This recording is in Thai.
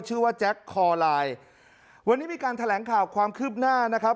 ชื่อว่าแจ็คคอลายวันนี้มีการแถลงข่าวความขึ้นหน้านะครับ